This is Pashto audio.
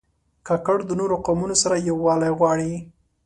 کاکړ د نورو قومونو سره یووالی غواړي.